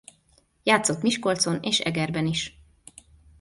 Játszott Miskolcon és Egerben is.